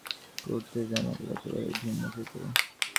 কিন্তু, একটু খুঁটিয়ে খুঁটিয়ে প্রশ্ন করতেই জানা গেল একেবারেই ভিন্ন চিত্র।